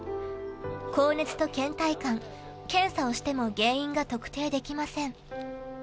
高熱と倦怠感、検査をしても原因が特定できません。